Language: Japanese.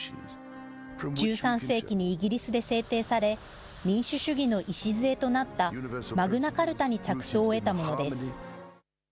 １３世紀にイギリスで制定され、民主主義の礎となったマグナ・カルタに着想を得たものです。